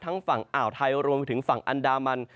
ทั้งฝั่งอาวไทยรวมถึงฝั่งอันดามัน